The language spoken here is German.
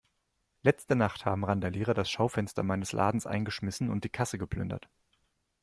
Letzte Nacht haben Randalierer das Schaufenster meines Ladens eingeschmissen und die Kasse geplündert.